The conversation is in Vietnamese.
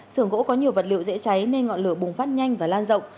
sưởng gỗ có nhiều vật liệu dễ cháy nên ngọn lửa bùng phát nhanh và lan rộng